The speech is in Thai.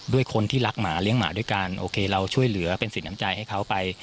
ด้วยคนที่รักหมาเลี้ยงหมาด้วยกันโอเคเราช่วยเหลือเป็นสินน้ำใจให้เขาไป